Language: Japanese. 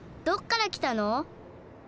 どっからきたの？